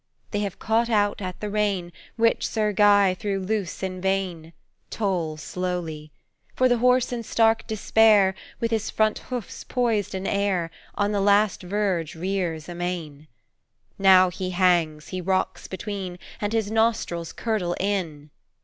"They have caught out at the rein, which Sir Guy threw loose in vain, Toll slowly. For the horse in stark despair, with his front hoofs poised in air, On the last verge rears amain. "Now he hangs, he rocks between, and his nostrils curdle in!